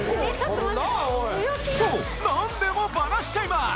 となんでもバラしちゃいます！